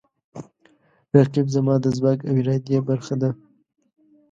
رقیب زما د ځواک او ارادې برخه ده